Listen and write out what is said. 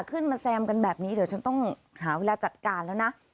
แซมกันแบบนี้เดี๋ยวฉันต้องหาเวลาจัดการแล้วนะ